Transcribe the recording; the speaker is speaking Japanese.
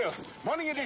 逃げて。